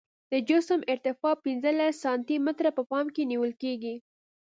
د جسم ارتفاع پنځلس سانتي متره په پام کې نیول کیږي